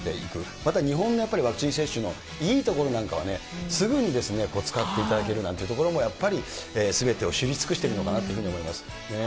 また日本のワクチン接種のいいところなんかはね、すぐに使っていただけるなんていうところも、やっぱりすべてを知り尽くしているのかなって思います。